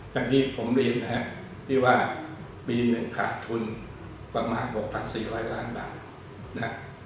อย่างที่ผมเรียนว่าปีหนึ่งขาดทุนประมาณ๖๔๐๐บาท